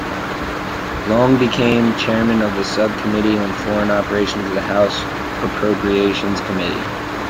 Long became Chairman of the subcommittee on Foreign Operations of the House Appropriations Committee.